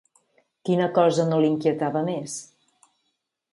Quina cosa no l'inquietava més?